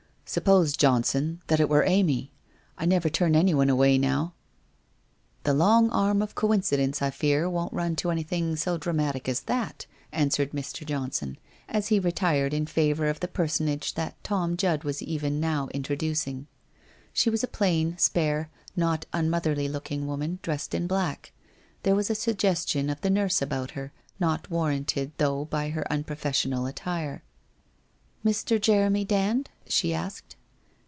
' Suppose, Johnson, that it were Amy? I never turn anyone away now.' 404 WHITE ROSE OF WEARY LEAF * The long arm of coincidence, I fear, won't run to any thing so dramatic as that,' answered Mr. Johnson, as he retired in favour of the personage that Tom Judd was even now introducing. She was a plain, spare, not unmotherly looking woman, dressed in black. There was a suggestion of the nurse about her, not warranted though by her unprofessional attire. ' Mr. Jeremy Dand ?' she asked.